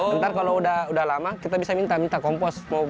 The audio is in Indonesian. nanti kalau sudah lama kita bisa minta kompos